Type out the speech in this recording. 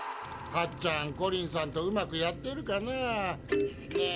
ハッちゃんコリンさんとうまくやってるかな？